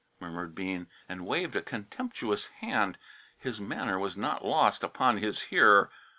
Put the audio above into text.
murmured Bean, and waved a contemptuous hand. His manner was not lost upon his hearer.